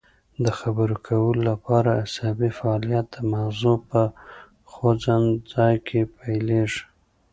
د خبرو کولو لپاره عصبي فعالیت د مغزو په خوځند ځای کې پیلیږي